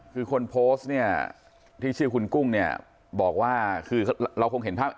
คือคนโพสต์เนี่ยที่ชื่อคุณกุ้งเนี่ยบอกว่าคือเราคงเห็นภาพ